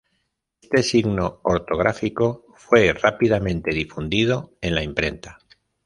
Este signo ortográfico fue rápidamente difundido en la imprenta.